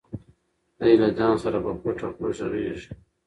دی له ځان سره په پټه خوله غږېږي.